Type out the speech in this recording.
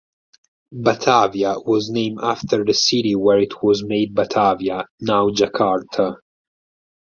Batavia was named after the city where it was made Batavia (now Jakarta).